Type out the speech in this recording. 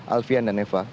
alfian dan eva